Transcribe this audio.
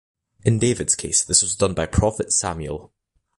In David's case, this was done by the prophet Samuel.